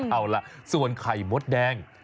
เอาล่ะส่วนไข่มดแดง